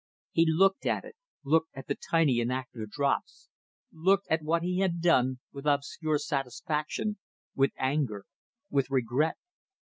He looked at it, looked at the tiny and active drops, looked at what he had done, with obscure satisfaction, with anger, with regret.